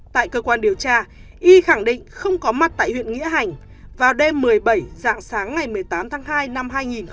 tại cơ quan điều tra y khẳng định không có mặt tại huyện nghĩa hành vào đêm một mươi bảy dạng sáng ngày một mươi tám tháng hai năm hai nghìn hai mươi